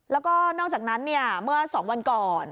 แล้วก็นอกจากนั้นเมื่อ๒วันก่อน